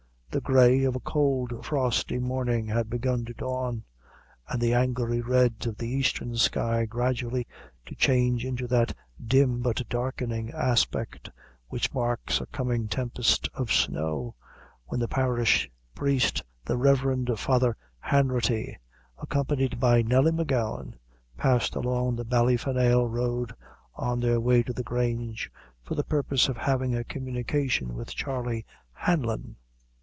The gray of a cold frosty morning had begun to dawn, and the angry red of the eastern sky gradually to change into that dim but darkening aspect which marks a coming tempest of snow, when the parish priest, the Rev. Father Hanratty, accompanied by Nelly M'Gowan, passed along the Ballynafail road, on their way to the Grange, for the purpose of having a communication with Charley Hanlon.